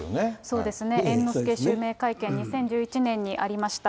そうですね、猿之助襲名会見、２０１１年にありました。